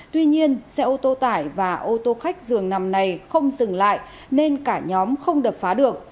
tuy nhiên xe ô tô tải và ô tô khách dường nằm này không dừng lại nên cả nhóm không đập phá được